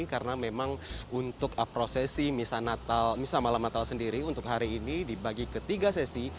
karena memang untuk prosesi misa malam natal sendiri untuk hari ini dibagi ke tiga sesi